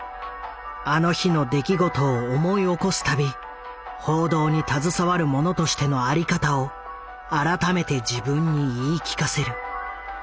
あの日の出来事を思い起こすたび報道に携わる者としての在り方を改めて自分に言い聞かせる。